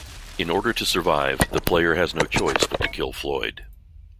In order to survive, the player has no choice but to kill Floyd.